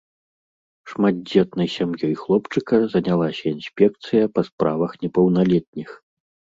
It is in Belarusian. Шматдзетнай сям'ёй хлопчыка занялася інспекцыя па справах непаўналетніх.